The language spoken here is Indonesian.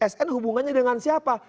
sn hubungannya dengan siapa